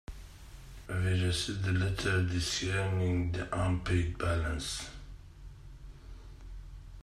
We received a letter discerning the unpaid balance.